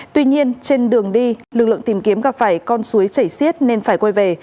tuy nhiên trên đường đi lực lượng tìm kiếm gặp phải con suối chảy xiết nên phải quay về